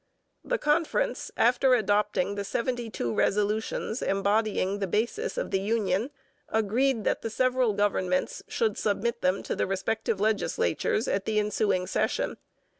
The conference, after adopting the seventy two resolutions embodying the basis of the union, agreed that the several governments should submit them to the respective legislatures at the ensuing session.